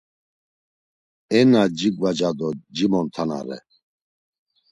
E na cigvaca da cimontanare!